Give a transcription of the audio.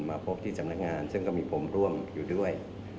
มาพบที่สำนักงานซึ่งก็มีผมร่วมอยู่ด้วย